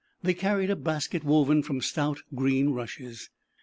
They carried a basket woven from stout green rushes.